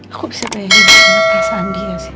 aku bisa bayangin perasaan dia sih